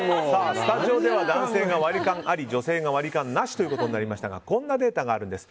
スタジオでは男性が割り勘あり、女性がなしとなりましたがこんなデータがあるんです。